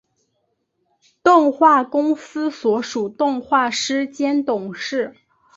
动画公司所属动画师兼董事。